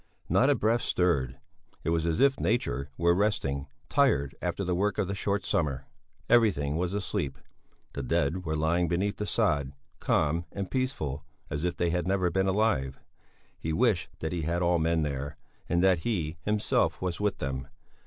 Not a breath stirred; it was as if Nature were resting, tired after the work of the short summer. Everything was asleep; the dead were lying beneath the sod, calm and peaceful, as if they had never been alive; he wished that he had all men there, and that he, himself, was with them.